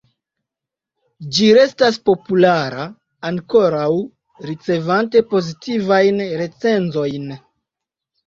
Ĝi restas populara, ankoraŭ ricevante pozitivajn recenzojn.